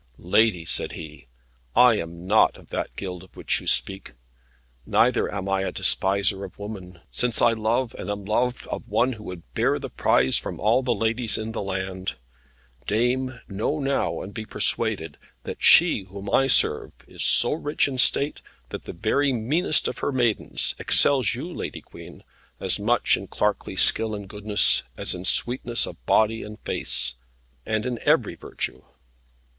"Lady," said he, "I am not of that guild of which you speak. Neither am I a despiser of woman, since I love, and am loved, of one who would bear the prize from all the ladies in the land. Dame, know now and be persuaded, that she, whom I serve, is so rich in state, that the very meanest of her maidens, excels you, Lady Queen, as much in clerkly skill and goodness, as in sweetness of body and face, and in every virtue."